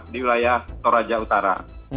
di wilayah toraja utara